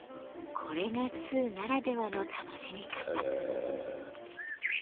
これが通ならではの楽しみ方。